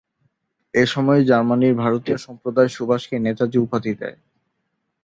এ সময়ই জার্মানির ভারতীয় সম্প্রদায় সুভাষকে ‘নেতাজী’ উপাধি দেয়।